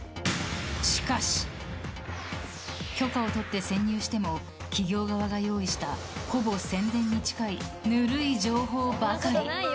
しかし、許可を取って潜入しても企業側が用意したほぼ宣伝に近いぬるい情報ばかり。